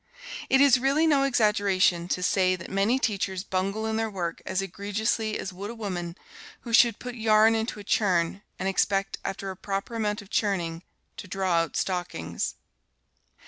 It is really no exaggeration to say that many teachers bungle in their work as egregiously as would a woman who should put yarn into a churn, and expect, after a proper amount of churning, to draw out stockings.